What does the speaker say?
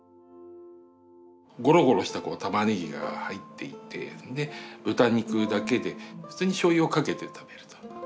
ゴロゴロしたたまねぎが入っていてで豚肉だけでそしてしょうゆをかけて食べると。